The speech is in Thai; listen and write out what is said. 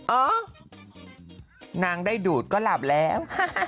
อ๋อนางได้ดูดก็หลับแล้ว